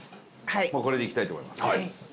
もうこれでいきたいと思います。